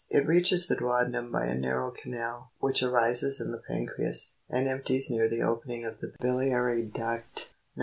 It reaches the duodenum by a narrow canal, which arises in the pancreas, and empties near the opening of the biliary duct. 19.